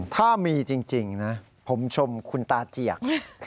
ถ้ามีจริงนะผมชมคุณตาเจียก